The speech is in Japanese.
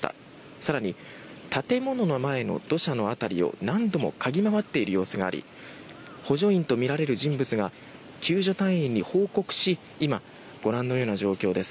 更に、建物の前の土砂の辺りを何度も嗅ぎ回っている様子があり補助員とみられる人物が救助隊員に報告し今、ご覧のような状況です。